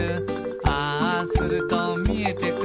「ああするとみえてくる」